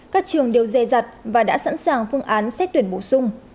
các trường đều dè dặt và đã sẵn sàng phương án xét tuyển bổ sung